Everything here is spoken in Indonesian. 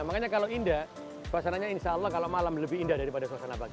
makanya kalau indah suasananya insya allah kalau malam lebih indah daripada suasana pagi